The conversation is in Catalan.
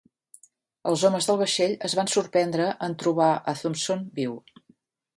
Els homes del vaixell es van sorprendre en trobar a Thompson viu.